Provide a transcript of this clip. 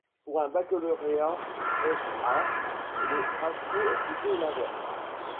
Pour un baccalauréat ès arts, le ratio est plutôt l’inverse.